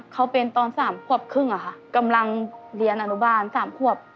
เขาเป็นตอน๓ขวบครึ่งอะค่ะกำลังเรียนอนุบาล๓ขวบ